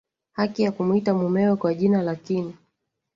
haki ya kumwita mumewe kwa jina lakini